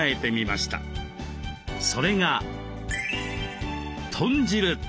それが豚汁！